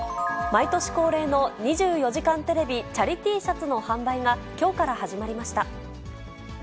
毎年恒例の２４時間テレビチャリＴシャツの販売が、きょうから始まりました。